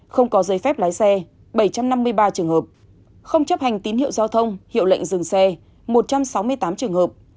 không có giấy phép lái xe bảy trăm năm mươi ba trường hợp không chấp hành tín hiệu giao thông hiệu lệnh dừng xe một trăm sáu mươi tám trường hợp